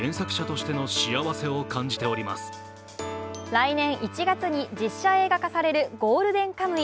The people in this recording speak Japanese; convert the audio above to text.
来年１月に実写映画化される「ゴールデンカムイ」。